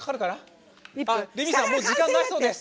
レミさんもう時間がないそうです。